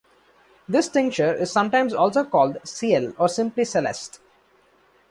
This tincture is sometimes also called ciel or simply celeste.